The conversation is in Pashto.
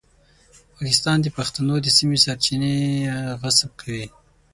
پاکستان د پښتنو د سیمې سرچینې غصب کوي.